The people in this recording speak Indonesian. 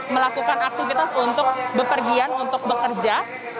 melakukan aktivitas untuk bepergian untuk bekerja